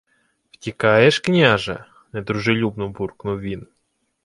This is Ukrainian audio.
— Втікаєш, княже? — недружелюбно буркнув він.